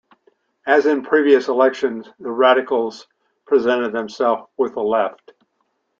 As in previous elections, the radicals presented themselves with the left.